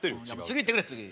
次いってくれ次。